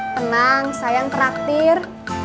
tenang sayang terakhir